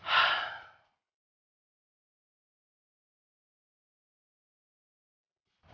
pesan tren anur